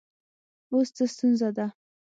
اوس څه ستونزه ده